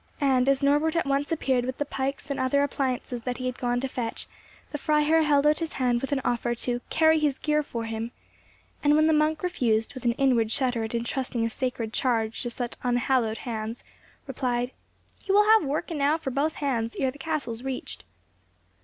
And, as Norbert at once appeared with the pyx and other appliances that he had gone to fetch, the Freiherr held out his hand with an offer to "carry his gear for him;" and, when the monk refused, with an inward shudder at entrusting a sacred charge to such unhallowed hands, replied, "You will have work enow for both hands ere the castle is reached."